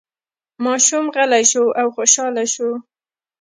ماشوم غلی شو او خوشحاله شو.